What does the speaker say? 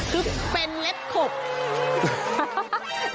คือเป็นเล็บขบ